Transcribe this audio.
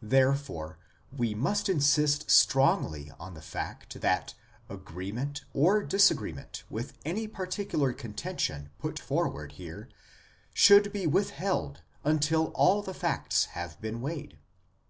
Therefore we must insist strongly on the fact that agreement or disagreement with any particular contention put forward here should be with held until all the facts have been weighed.